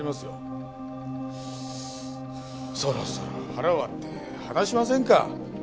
そろそろ腹割って話しませんか？